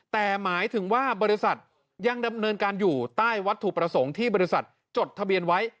แต่หมายถึงว่าบริษัทยังดำเนินการอยู่ใต้วัตถุประสงค์ที่บริษัทจดทะเบียนไว้